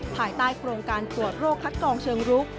ภายใต้โครงการตรวจโรคคัดกองเชิงรุก